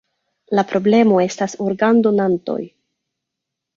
La problemo estas organdonantoj.